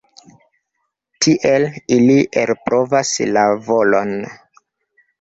Tiel ili elprovas la volon.